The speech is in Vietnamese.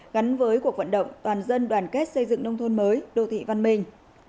gắn với cuộc vận động toàn dân đoàn kết xây dựng nông thôn mới đô thị văn minh